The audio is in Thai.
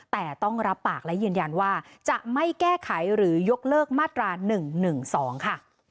แต่ต้องรับปากและยืนยันว่าจะไม่แก้ไขหรือยกเลิกมาตรา๑๑๒ค่ะ